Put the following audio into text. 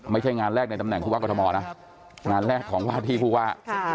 ไม่ใช่งานแรกในตำแหนผู้ว่ากรทมนะงานแรกของวาที่ผู้ว่า